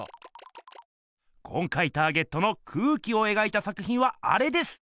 今回ターゲットの空気を描いた作ひんはあれです！